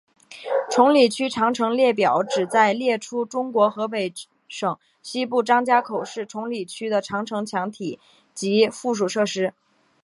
崇礼区长城列表旨在列出中国河北省西部张家口市崇礼区的长城墙体及附属设施。